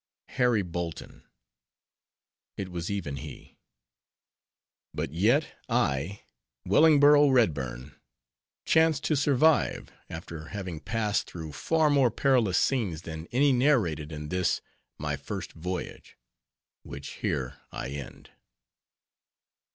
Harry Bolton! it was even he! But yet, I, Wellingborough Redburn, chance to survive, after having passed through far more perilous scenes than any narrated in this, My First Voyage—which here I end.